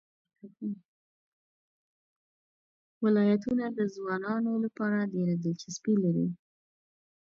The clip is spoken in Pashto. ولایتونه د ځوانانو لپاره ډېره دلچسپي لري.